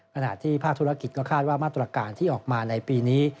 ขณะที่ภาคธุรกิจก็คาดว่ามาตรการที่ออกมาในปีนี้